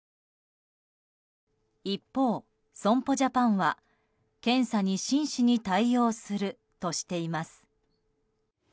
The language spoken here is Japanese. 一方、損保ジャパンは検査に真摯に対応するとしています。